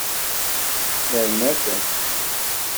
Nerna-ten.